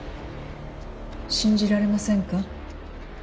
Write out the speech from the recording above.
信じられませんか？